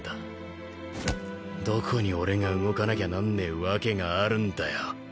どこに俺が動かなきゃなんねえ訳があるんだよ。